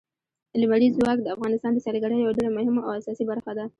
لمریز ځواک د افغانستان د سیلګرۍ یوه ډېره مهمه او اساسي برخه ده.